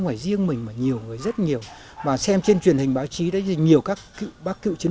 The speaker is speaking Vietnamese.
ngoài riêng mình mà nhiều người rất nhiều mà xem trên truyền hình báo chí đấy nhiều các bác cựu chiến